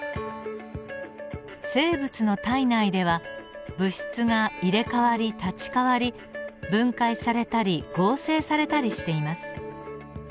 生物の体内では物質が入れ代わり立ち代わり分解されたり合成されたりしています。